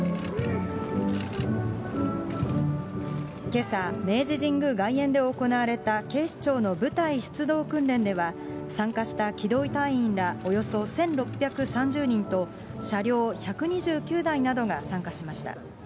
けさ、明治神宮外苑で行われた警視庁の部隊出動訓練では、参加した機動隊員らおよそ１６３０人と、車両１２９台などが参加しました。